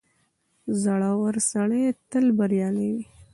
• زړور سړی تل بریالی وي.